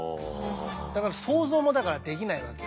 だから想像もできないわけよ。